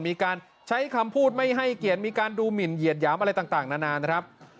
มีการใช้คำพูดไม่ให้เกียรติมีการดูหมินเหยียดหยามอะไรต่างนานนะครับ